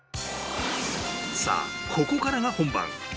さあここからが本番